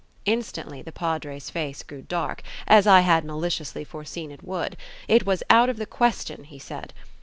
Instantly the Padre's face grew dark, as I had maliciously foreseen it would. It was out of the question, he said.